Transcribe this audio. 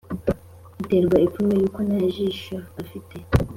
Aterwa ipfunwe yuko ntajijo afite